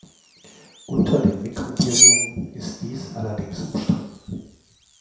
Unter den Mikrobiologen ist dies allerdings umstritten.